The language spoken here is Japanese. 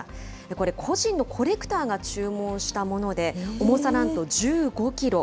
これ、個人のコレクターが注文したもので、重さなんと１５キロ。